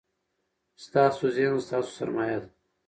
ستاسو ذهن ستاسو سرمایه ده.